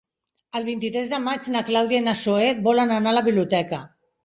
El vint-i-tres de maig na Clàudia i na Zoè volen anar a la biblioteca.